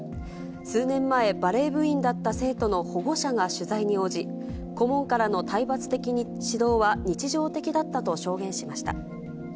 数年前、バレー部員だった生徒の保護者が取材に応じ、顧問からの体罰的指導は日常的だったと証言しました。